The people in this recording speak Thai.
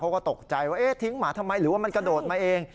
เขาก็ตกใจว่าเอ๊ะทิ้งหมาทำไมหรือว่ามันกระโดดมาเอง